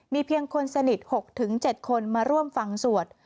เพียงคนสนิท๖๗คนมาร่วมฟังสวด